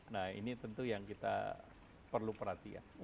nah ini tentu yang kita perlu perhatikan